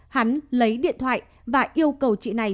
hắn lấy điện thoại và yêu cầu